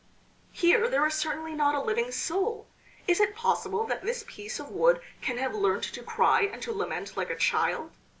Here there is certainly not a living soul. Is it possible that this piece of wood can have learnt to cry and to lament like a child?